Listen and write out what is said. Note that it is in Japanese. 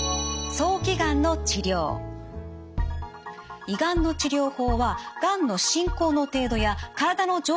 胃がんの治療法はがんの進行の程度や体の状態などから決まってきます。